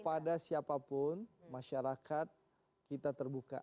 kepada siapapun masyarakat kita terbuka